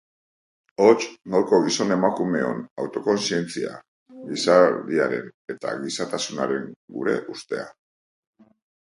Hots, gaurko gizon-emakumeon autokontzientzia, gizadiaren eta gizatasunaren gure ustea.